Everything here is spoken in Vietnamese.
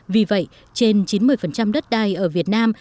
vì vậy trên chín mươi đất đai ở việt nam